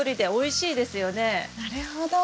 なるほど。